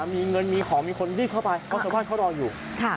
มีเงินมีของมีคนรีบเข้าไปเพราะชาวบ้านเขารออยู่